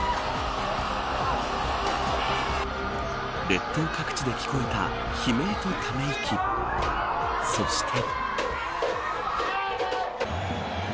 列島各地で聞こえた悲鳴とため息そして。